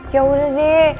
ya udah deh